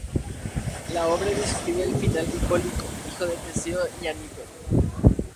La obra describe el final de Hipólito, hijo de Teseo y Antíope.